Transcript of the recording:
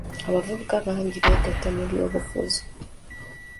Abavubuka bangi beegatta mu by'obufuzi.